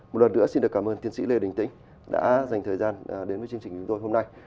một lần nữa xin được cảm ơn tiến sĩ lê đình tĩnh đã dành thời gian đến với chương trình dùng đôi hôm nay